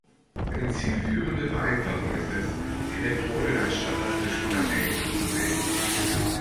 Eine zielführende Vereinfachung ist es, die Elektronen als stochastisch unabhängig anzusehen.